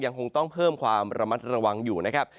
ยังคงต้องเพิ่มความระมัดระวังอยู่นะครับ